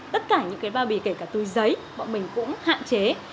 tất cả những cái bao bì kể cả túi giấy bọn mình cũng hạn chế